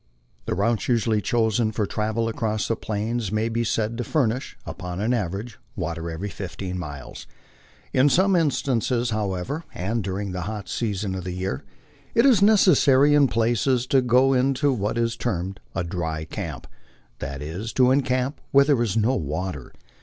The routes usually chosen for travel across the Plains may be said to furnish, npon an average, water every fifteen miles. In some instances, however, and during the hot season of the year, it is necessary in places to go into what is termed " a dry camp," that is, to encamp where there is no water.